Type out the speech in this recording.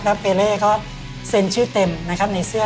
แล้วเปเล่ก็เซ็นชื่อเต็มนะครับในเสื้อ